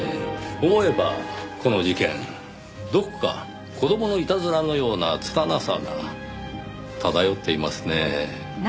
思えばこの事件どこか子供のいたずらのようなつたなさが漂っていますねぇ。